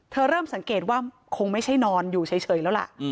เริ่มสังเกตว่าคงไม่ใช่นอนอยู่เฉยแล้วล่ะ